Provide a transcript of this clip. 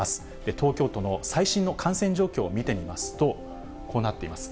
東京都の最新の感染状況を見てみますと、こうなっています。